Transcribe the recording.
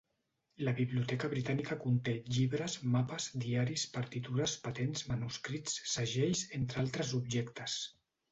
La Biblioteca Britànica conté llibres, mapes, diaris, partitures, patents, manuscrits, segells, entre altres objectes.